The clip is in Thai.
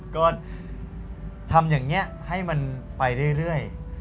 ก็ทำอย่างนี้ให้มันไปเรื่อย